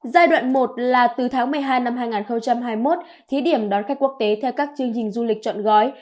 giai đoạn một là từ tháng một mươi hai năm hai nghìn hai mươi một thí điểm đón khách quốc tế theo các chương trình du lịch chọn gói